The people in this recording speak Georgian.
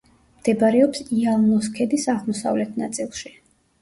მდებარეობს იალნოს ქედის აღმოსავლეთ ნაწილში.